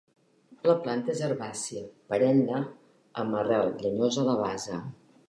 La planta és herbàcia, perenne, amb arrel llenyosa a la base.